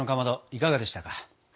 いかがでしたか？